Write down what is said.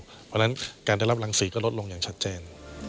เพราะฉะนั้นการได้รับรังสีก็ลดลงอย่างชัดเจน